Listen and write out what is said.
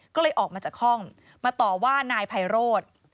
ก็เลยออกมาจากห้องมาต่อว่านายไพโรธ